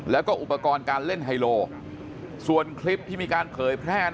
แล้วก็อุปกรณ์การเล่นไฮโลส่วนคลิปที่มีการเผยแพร่